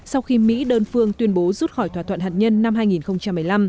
sau khi mỹ đơn phương tuyên bố rút khỏi thỏa thuận hạt nhân năm hai nghìn một mươi năm